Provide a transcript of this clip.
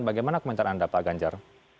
bagaimana komentar anda pak ganjar